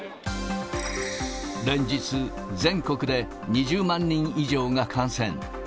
連日、全国で２０万人以上が感染。